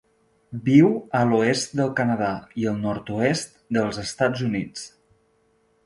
Viu a l'oest del Canadà i el nord-oest dels Estats Units.